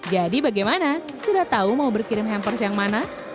jadi bagaimana sudah tahu mau berkirim hampers yang mana